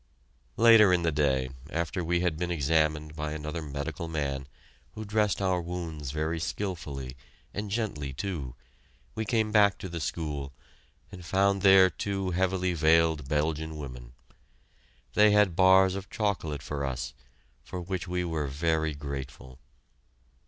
Later in the day, after we had been examined by another medical man, who dressed our wounds very skillfully, and gently, too, we came back to the school, and found there two heavily veiled Belgian women. They had bars of chocolate for us, for which we were very grateful.